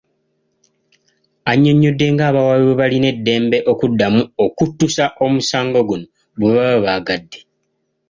Annyonnyodde ng'abawaabi bwe balina eddembe okuddamu okuttusa omusango guno bwe baba baagadde.